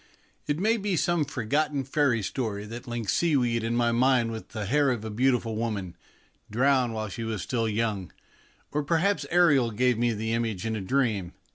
It may be some forgotten fairy story that links seaweed in my mind with the hair of a beautiful woman, drowned while she was still young, or perhaps Ariel gave me the image in a dream.